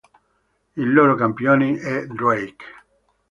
Il loro Campione è Drake.